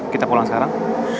kita pulang sekarang